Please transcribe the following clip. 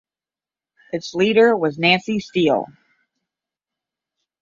Its leader was Nancy Steele.